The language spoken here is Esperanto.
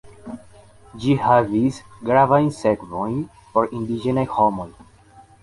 Ĝi havis gravajn sekvojn por indiĝenaj homoj.